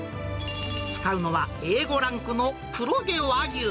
使うのはＡ５ランクの黒毛和牛。